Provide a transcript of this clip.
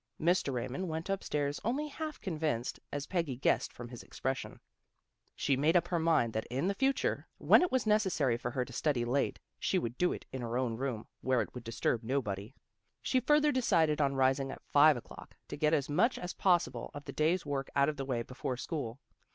Mr. Raymond went upstairs only hah* con vinced, as Peggy guessed from his expression. She made up her mind that in the future 224 THE GIRLS OF FRIENDLY TERRACE when it was necessary for her to study late she would do it hi her own room, where it would disturb nobody. She further decided on rising at five o'clock to get as much as possible of the day's work out of the way before school.